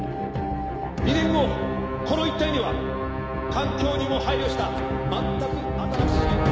「２年後この一帯には環境にも配慮した全く新しい形の工業団地